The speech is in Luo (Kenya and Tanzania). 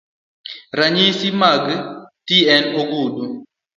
Ranyisi mag ti en ogudu .